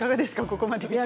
ここまで。